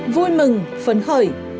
vui mừng phấn khởi